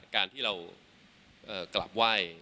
การที่เรากลับไหว้